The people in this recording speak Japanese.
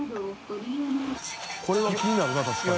これは気になるな確かに。